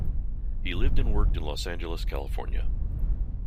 He lived and worked in Los Angeles, California.